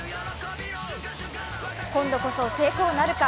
今度こそ成功なるか。